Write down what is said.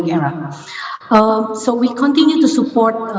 jadi kami terus mendukung